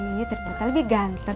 ih iya ternyata lebih gantet